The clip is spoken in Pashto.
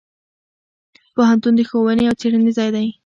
پوهنتون د ښوونې او څیړنې ځای دی.